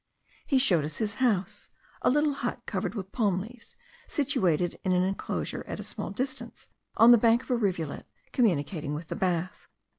He showed us his house, a little hut covered with palm leaves, situated in an enclosure at a small distance, on the bank of a rivulet, communicating with the bath.